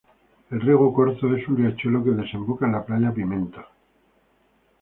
El Rego Corzo es un riachuelo que desemboca en la playa Pimenta.